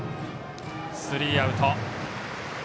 スリーアウト。